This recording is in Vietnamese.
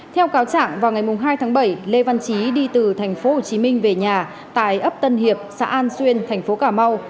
theo cáo chẳng vào ngày hai tháng bảy lê văn chí đi từ thành phố hồ chí minh về nhà tại ấp tân hiệp xã an xuyên thành phố cà mau